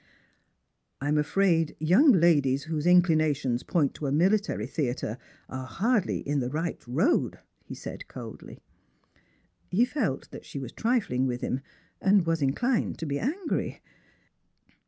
"I'm afraid, young ladies whose inclinations point to a mihtary theatre are hardly in the right road," he said coldly. He fi^lt that she was trifling with him, and was inclined to be tngry.